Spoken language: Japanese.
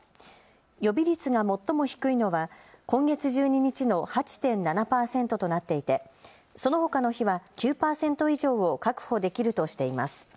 予備率が最も低いのは今月１２日の８．７％となっていて、そのほかの日は９％以上を確保できるとしています。